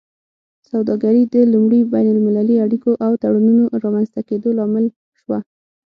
سوداګري د لومړي بین المللي اړیکو او تړونونو رامینځته کیدو لامل شوه